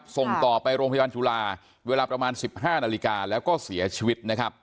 ส่งต่อไปโรงพยาบาลจุฬาเวลาประมาณ๑๕นาฬิกาแล้วก็เสียชีวิตนะครับ